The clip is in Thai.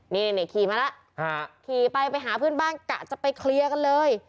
นี่ขี่มาแล้วขี่ไปไปหาเพื่อนบ้านกะจะไปเคลียร์กันเลย